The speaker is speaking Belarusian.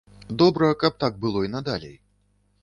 Добра, каб так было й надалей.